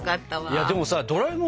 いやでもさドラえもん